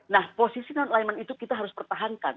nah posisi non alignment itu kita harus pertahankan